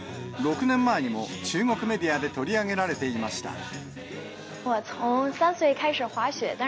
６年前にも中国メディアで取り上げられていました。